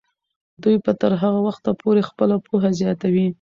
دوی به تر هغه وخته پورې خپله پوهه زیاتوي.